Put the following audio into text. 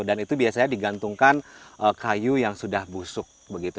dan itu biasanya digantungkan kayu yang sudah busuk begitu